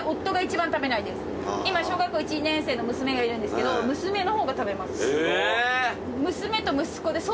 今小学校１年生の娘がいるんですけど娘の方が食べます。